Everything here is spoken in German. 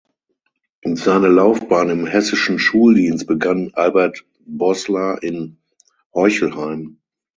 Seine Laufbahn im hessischen Schuldienst begann Albert Boßler in Heuchelheim.